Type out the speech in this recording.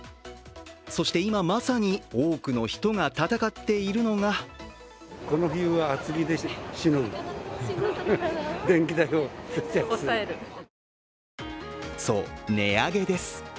そして、今まさに多くの人が戦っているのがそう、値上げです。